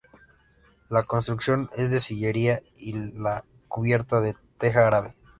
La construcción es de sillería y la cubierta de teja árabe.